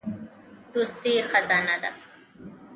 دوستي خزانه ده.